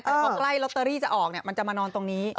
แต่พอใกล้ลอตเตอรี่จะออกมันจะมานอนตรงนี้